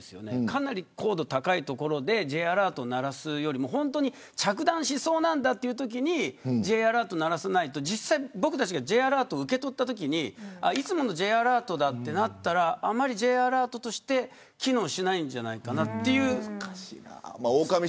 かなり高度が高い所でＪアラートを鳴らすよりも着弾しそうなんだというときにＪアラートを鳴らさないと実際に僕たちがＪアラートを受け取ったときにいつものＪアラートだとなったらあまりＪアラートが機能しないんじゃないかと。